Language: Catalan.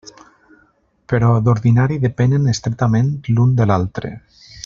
Però d'ordinari depenen estretament l'un de l'altre.